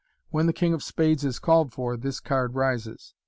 When the king of spades is called for, this card rises.